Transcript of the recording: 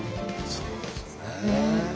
そうですね。